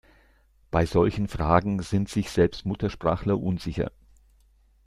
Bei solchen Fragen sind sich selbst Muttersprachler unsicher.